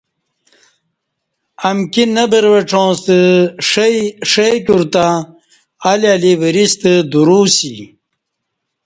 امکی نہ بروعڅاں ستہ ݜئ کیور تہ الی الی وریستہ دورو اسی